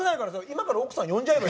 今から奥さん呼んじゃえば？